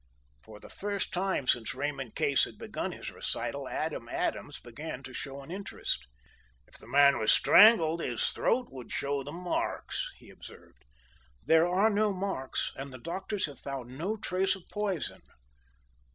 For the first time since Raymond Case had begun his recital Adam Adams began to show an interest. "If the man was strangled his throat should show the marks," he observed. "There are no marks, and the doctors have found no trace of poison."